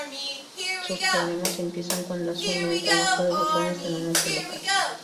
Sus problemas empiezan cuando asume el trabajo de botones en un hotel local.